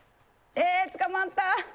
えー、捕まった。